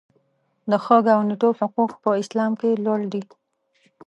د ښه ګاونډیتوب حقوق په اسلام کې لوړ دي.